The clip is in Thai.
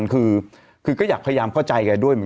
คือก็อยากพยายามเข้าใจกันด้วย